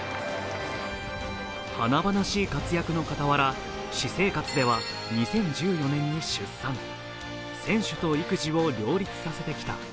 華々しい活躍の傍ら、私生活では２０１４年に出産選手と育児を両立させてきた。